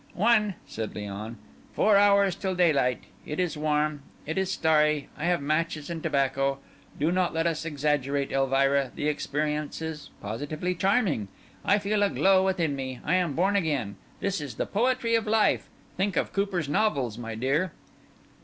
"One," said Léon. "Four hours till daylight. It is warm; it is starry; I have matches and tobacco. Do not let us exaggerate, Elvira—the experience is positively charming. I feel a glow within me; I am born again. This is the poetry of life. Think of Cooper's novels, my dear."